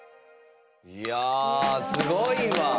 いやあすごいわ。